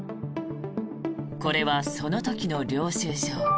これは、その時の領収証。